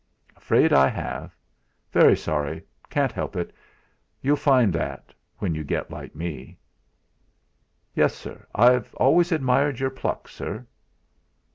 "Afraid I have. Very sorry can't help it. You'll find that, when you get like me." "Yes, sir; I've always admired your pluck, sir.